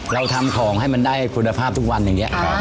เราทำของให้มันได้คุณภาพทุกวันอย่างนี้